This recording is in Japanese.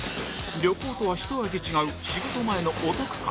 旅行とはひと味違う仕事前のお得感